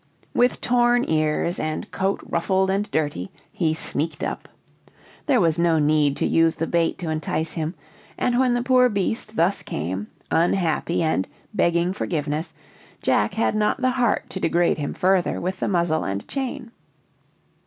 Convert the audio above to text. With torn ears, and coat ruffled and dirty, he sneaked up. There was no need to use the bait to entice him; and when the poor beast thus came, unhappy and begging forgiveness, Jack had not the heart to degrade him further with the muzzle and chain.